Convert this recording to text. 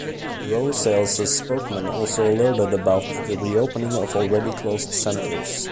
Rosales' spokesman also alerted about the reopening of already closed centers.